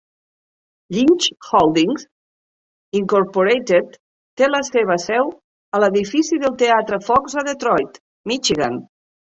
Ilitch Holdings, Incorporated té la seva seu a l"Edifici del Teatre Fox a Detroit, Michigan.